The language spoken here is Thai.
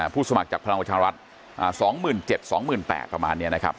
ผู้สมัครจากพลังประชารัฐอ่าสองหมื่นเจ็ดสองหมื่นแปดประมาณเนี้ยนะครับ